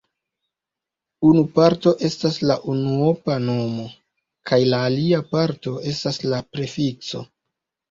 Unu parto estas la unuopa nomo kaj la alia parto estas la prefikso.